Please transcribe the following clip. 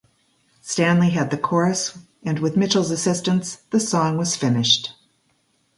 Stanley had the chorus and with Mitchell's assistance, the song was finished.